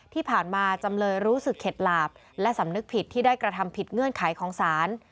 จำเลยรู้สึกเข็ดหลาบและสำนึกผิดที่ได้กระทำผิดเงื่อนไขของศาล